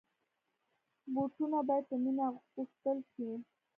بوټونه باید په مینه اغوستل شي.